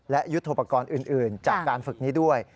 และยุทธโปรกรณ์อื่นจากการฝึกนี้ด้วย